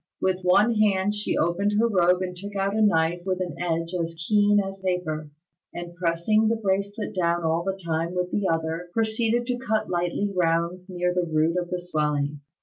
With one hand she opened her robe and took out a knife with an edge as keen as paper, and pressing the bracelet down all the time with the other, proceeded to cut lightly round near the root of the swelling.